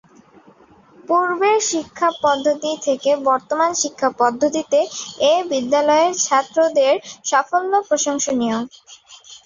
পূর্বের শিক্ষা পদ্ধতি থেকে বর্তমান শিক্ষা পদ্ধতিতে এ বিদ্যালয়ের ছাত্রদের সাফল্যে প্রশংসনিয়।